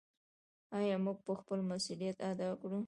آیا موږ به خپل مسوولیت ادا کړو؟